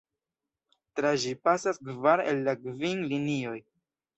Tra ĝi pasas kvar el la kvin linioj.